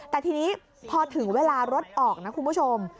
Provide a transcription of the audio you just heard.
แต่ทีนี้พอถึงเวลารถออกนะคุณผู้ชม